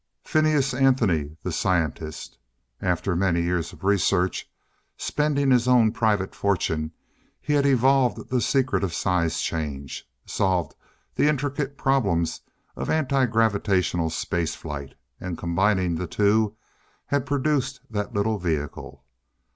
Phineas Anthony, the scientist. After many years of research, spending his own private fortune, he had evolved the secret of size change solved the intricate problems of anti gravitational spaceflight; and combining the two, had produced that little vehicle.